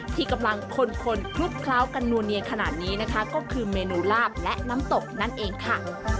ที่กำลังคนคลุกเคล้ากันนัวเนียนขนาดนี้นะคะก็คือเมนูลาบและน้ำตกนั่นเองค่ะ